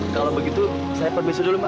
kalau begitu saya perbiasa dulu pak